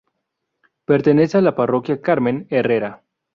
Pertenece a la Parroquia Carmen Herrera.